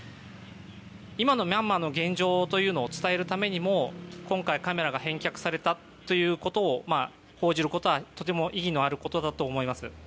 今のミャンマーの現状を伝えるためにも今回、カメラが返却されたということを報じることはとても意義のあることだと思います。